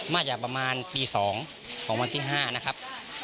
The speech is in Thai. มาจากประมาณตี๒ของวันที่๕นะครับ